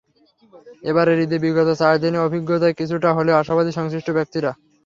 এবারের ঈদে বিগত চার দিনের অভিজ্ঞতায় কিছুটা হলেও আশাবাদী সংশ্লিষ্ট ব্যক্তিরা।